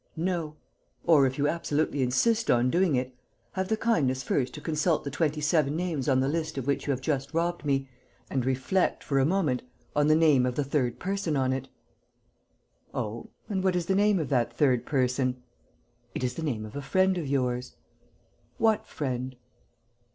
"No. Or, if you absolutely insist on doing it, have the kindness first to consult the twenty seven names on the list of which you have just robbed me and reflect, for a moment, on the name of the third person on it." "Oh? And what is the name of that third person?" "It is the name of a friend of yours." "What friend?"